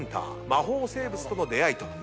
魔法生物との出会いと。